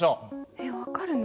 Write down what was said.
えっ分かるの？